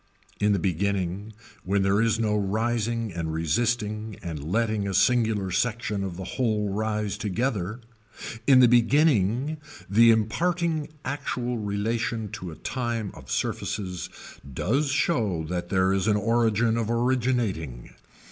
In the beginning when there is no rising and resisting and letting a singular section of the whole rise together, in the beginning the imparting actual relation to a time of surfaces does show that there is an origin of originating.